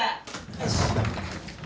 よし！